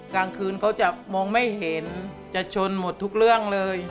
กลางคืนเขาจะมองไม่เห็นจะชนหมดทุกเรื่องเลย